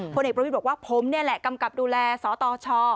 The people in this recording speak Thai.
ผลเอกประวิทย์บอกว่าผมนี่แหละกำกับดูแลสตช